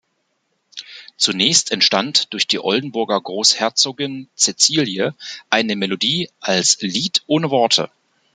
Zunächst entstand durch die Oldenburger Großherzogin Cäcilie, eine Melodie als "Lied ohne Worte".